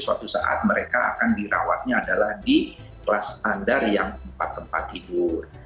suatu saat mereka akan dirawatnya adalah di kelas standar yang empat tempat tidur